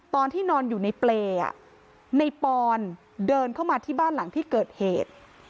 ตอนที่นอนอยู่ในเปรย์ในปอนเดินเข้ามาที่บ้านหลังที่เกิดเหตุ